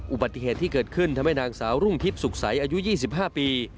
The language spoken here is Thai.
อุบัติเหตุที่เกิดขึ้นทำให้นางสาวรุ่งทิพย์สุขใสอายุ๒๕ปี